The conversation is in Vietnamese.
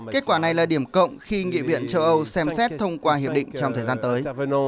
kết quả này là điểm cộng khi nghị viện châu âu xem xét thông qua hiệp định trong thời gian tới